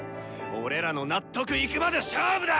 俺らの納得いくまで勝負だ！